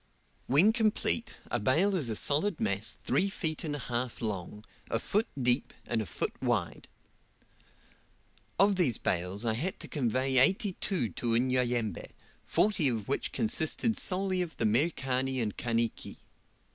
When complete, a bale is a solid mass three feet and a half long, a foot deep, and a foot wide. Of these bales I had to convey eighty two to Unyanyembe, forty of which consisted solely of the Merikani and Kaniki.